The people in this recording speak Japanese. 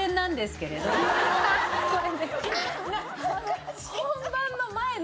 これで。